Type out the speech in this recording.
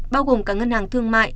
bao gồm cả ngân hàng thương mại